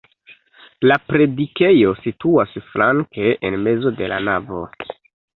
La predikejo situas flanke en mezo de la navo.